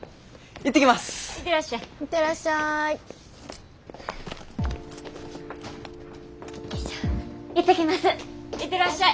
行ってらっしゃい。